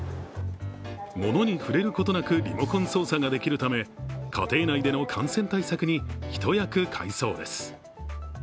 ものに触れることなく、リモコン操作ができるため家庭内での感染対策に一役買いそうです。